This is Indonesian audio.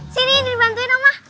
sini indri bantuin oma